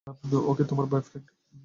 ও কি তোমার বয়ফ্রেন্ড?